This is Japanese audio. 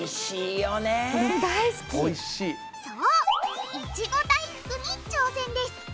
そういちご大福に挑戦です。